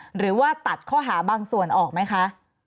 หรือว่าตัดข้อหาบางส่วนออกไหมคะ